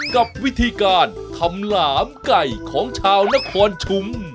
กับวิธีการทำหลามไก่ของชาวนครชุม